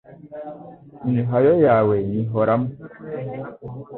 Imihayo yawe nyihora mwo